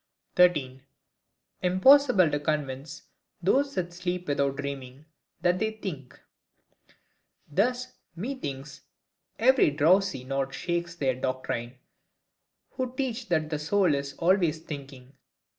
13. Impossible to convince those that sleep without dreaming, that they think. Thus, methinks, every drowsy nod shakes their doctrine, who teach that the soul is always thinking.